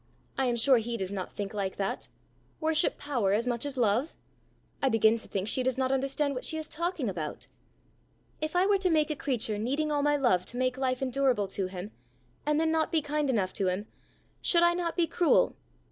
I am sure he does not think like that! Worship power as much as love! I begin to think she does not understand what she is talking about! If I were to make a creature needing all my love to make life endurable to him, and then not be kind enough to him, should I not be cruel?